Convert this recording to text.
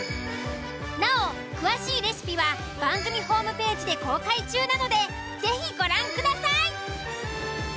なお詳しいレシピは番組ホームページで公開中なので是非ご覧ください。